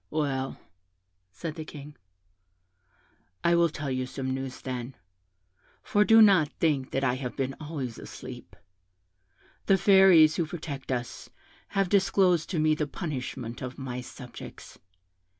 'Well,' said the King, 'I will tell you some news, then; for do not think that I have been always asleep. The Fairies who protect us have disclosed to me the punishment of my subjects.